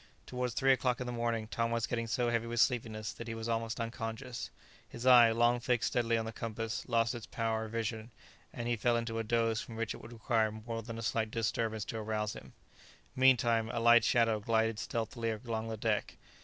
Towards three o'clock in the morning Tom was getting so heavy with sleepiness that he was almost unconscious. His eye, long fixed steadily on the compass, lost its power of vision, and he fell into a doze from which it would require more than a slight disturbance to arouse him. Meantime a light shadow glided stealthily along the deck.